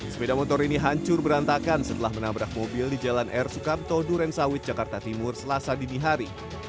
sepeda motor ini hancur berantakan setelah menabrak mobil di jalan r sukamto durensawit jakarta timur selasa dinihari